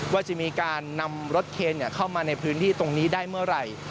ว่าจะมีการนำรถเคนเข้ามาในพื้นที่ตรงนี้ได้เมื่อไหร่